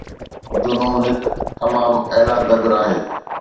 جنون هڪ تمام اعلي قدر آهي.